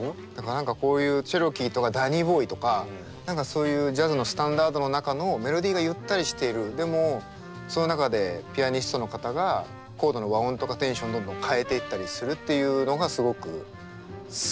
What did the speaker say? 何かこういう「Ｃｈｅｒｏｋｅｅ」とか「ダニー・ボーイ」とかそういうジャズのスタンダードの中のメロディーがゆったりしているでもその中でピアニストの方がコードの和音とかテンションどんどん変えていったりするっていうのがすごく好きなんです。